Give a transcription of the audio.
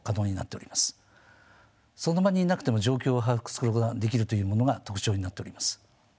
その場にいなくても状況を把握することができるというものが特徴になっております。